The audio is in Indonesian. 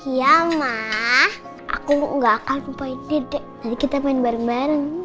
iya mah aku gak akan lupain dia deh nanti kita main bareng bareng